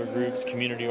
grup pengantar ngo